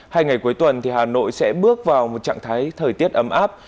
hai ngày cuối tuần hà nội sẽ bước vào trạng thái thời tiết ấm áp